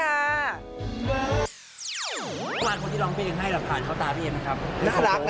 ร้านคนที่ร้องเพลงให้หลับผ่านเข้าตาพี่เอนะครับ